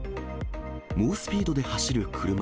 猛スピードで走る車。